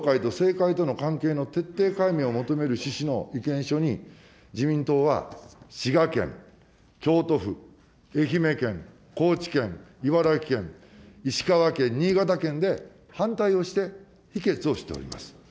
統一教会と政界との関係を徹底解明を求める趣旨の意見書に自民党は滋賀県、京都府、愛媛県、高知県、茨城県、石川県、新潟県で反対をして否決をしております。